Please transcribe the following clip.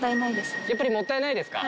やっぱりもったいないですか？